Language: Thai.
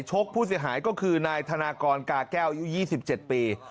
ชกผู้เสียหายก็คือนายธนากรกาแก้วอายุ๒๗ปี